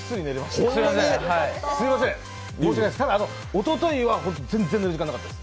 ただ、おとといは全然寝つけなかったです。